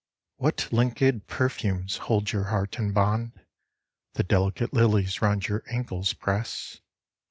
What linked perfumes hold your heart in bond ? The delicate lilies round your ankles press.